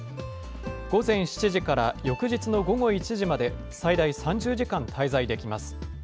午前７時から翌日の午後１時まで、最大３０時間滞在できます。